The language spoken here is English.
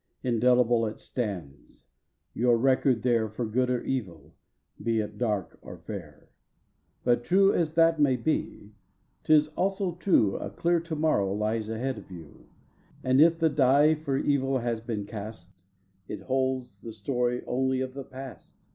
Indelible it stands, your record there For good or evil, be it dark or fair. But true as that may be tis also true A clear to morrow lies ahead of you, And if the die for evil has been cast It holds the story only of the past.